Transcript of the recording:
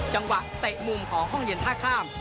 เตะมุมของห้องเย็นท่าข้าม